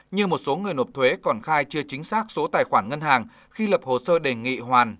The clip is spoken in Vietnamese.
như một số người nộp thuế còn khai chưa chính xác số tài khoản ngân hàng khi lập hồ sơ đề nghị hoàn